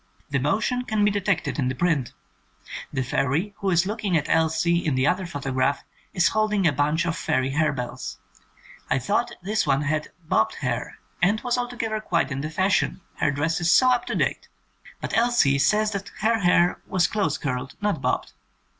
The motion can be detected in the print. The fairy who is looking at Elsie in the other photograph is holding a bunch of fairy hare bells. I thought this one had 'bobbed' hair and was altogether quite in the fashion, her dress is so up to date! But Elsie says her hair was close curled, not bobbed.